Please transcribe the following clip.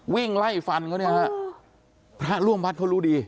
วิ่งไล่ฟันเขาเนี่ยฮะพระร่วมวัดเขารู้ดี